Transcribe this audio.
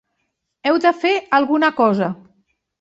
Heu de fer alguna cosa.